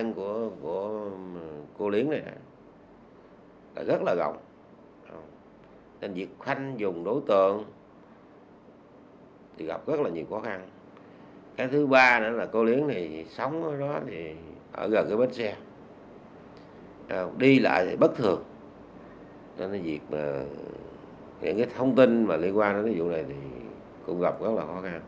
những thông tin liên quan đến vụ này cũng gặp rất là khó khăn